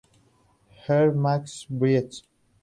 Herb, Maxi Breast.